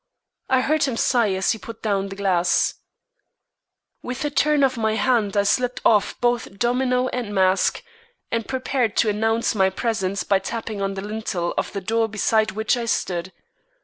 I heard him sigh as he put the glass down. With a turn of my hand I slipped off both domino and mask, and prepared to announce my presence by tapping on the lintel of the door beside which I stood.